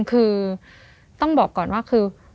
คือต้องบอกก่อนว่าคือ